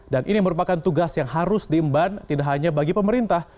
dan ini merupakan tugas yang harus diimban tidak hanya bagi pemerintah